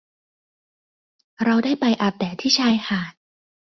เราได้ไปอาบแดดที่ชายหาด